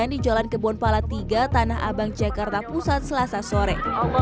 di jalan kebonpala tiga tanah abang jakarta pusat selasa sore